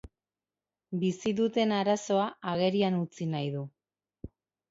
Bizi duten arazoa agerian utzi nahi du.